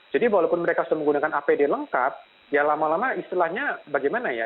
jadi walaupun mereka sudah menggunakan apd lengkap ya lama lama istilahnya bagaimana ya